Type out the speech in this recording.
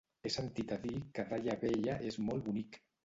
He sentit a dir que Daia Vella és molt bonic.